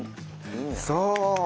そう。